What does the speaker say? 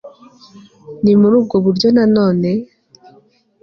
ni muri ubwo buryo na none